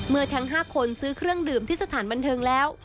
ทั้ง๕คนซื้อเครื่องดื่มที่สถานบันเทิงแล้ว